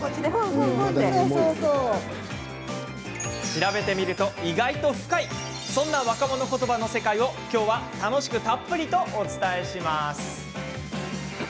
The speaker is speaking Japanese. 調べてみると意外と深いそんな若者言葉の世界を今日は楽しくたっぷりとお伝えします。